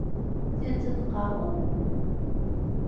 D tidet i d-teqqareḍ?